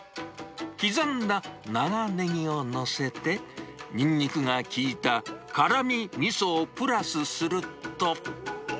刻んだ長ネギを載せて、ニンニクが効いた辛みみそをプラスすると。